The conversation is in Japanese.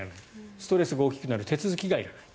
ストレスが大きくなる手続きがいらない。